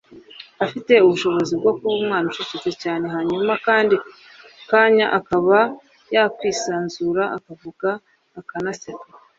Afite ubushobozi bwo kuba umwana ucecetse cyane hanyuma mu kandi kanya akaba yakwisanzura akavuga akanaseka